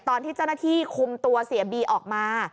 ตอนที่เจ้าหน้าที่คุมตัวเสียบีออกมา